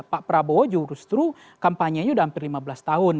pak prabowo justru kampanyenya sudah hampir lima belas tahun